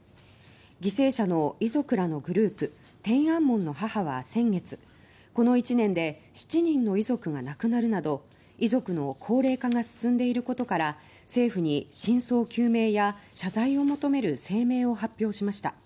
犠牲者の遺族らのグループ天安門の母は先月この１年で７人の遺族がなくなるなど遺族の高齢化が進んでいることから政府に真相究明や謝罪を求める声明を発表しました。